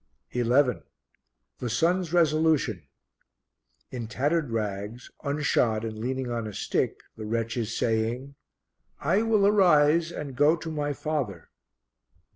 11. The Son's Resolution. In tattered rags, unshod and leaning on a stick, the wretch is saying, "I will arise and go to my father."